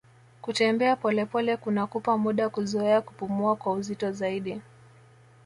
kutembea polepole kunakupa muda kuzoea kupumua kwa uzito zaidi